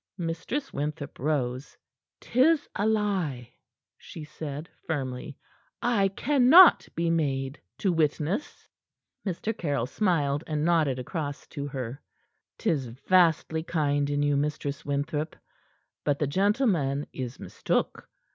Mistress Winthrop rose. "'Tis a lie," she said firmly. "I can not be made to witness." Mr. Caryll smiled, and nodded across to her. "'Tis vastly kind in you, Mistress Winthrop. But the gentleman is mistook."